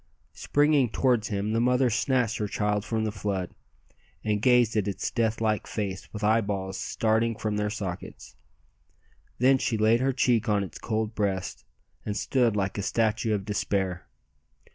Springing towards him, the mother snatched her child from the flood, and gazed at its death like face with eyeballs starting from their sockets. Then she laid her cheek on its cold breast, and stood like a statue of despair.